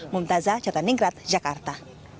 mumtazah jataningrat jakarta